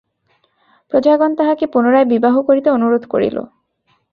প্রজাগণ তাঁহাকে পুনরায় বিবাহ করিতে অনুরোধ করিল।